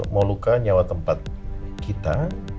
moluka nyawa tempat kita